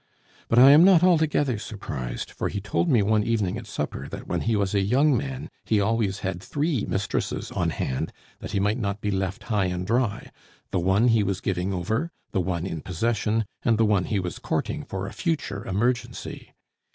"But I am not altogether surprised, for he told me one evening at supper that when he was a young man he always had three mistresses on hand that he might not be left high and dry the one he was giving over, the one in possession, and the one he was courting for a future emergency.